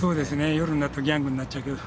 夜になるとギャングになっちゃうけど。